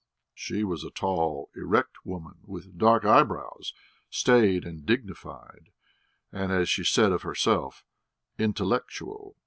She was a tall, erect woman with dark eyebrows, staid and dignified, and, as she said of herself, intellectual.